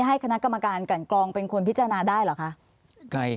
ให้คณะกรรมการกันกรองเป็นคนพิจารณาได้เหรอคะ